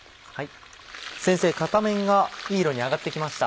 先生片面がいい色に揚がって来ました。